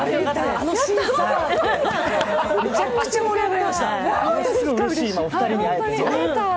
あのシーン、めちゃくちゃ盛り上がりました。